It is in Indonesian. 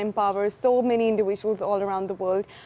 dan memperkuat banyak orang di seluruh dunia